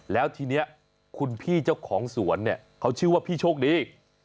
แล้วทีนี้คุณพี่เจ้าของสวนเนี่ยเขาชื่อว่าพี่โชคดี